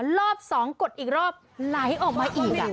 รอบ๒กดอีกรอบไหลออกมาอีก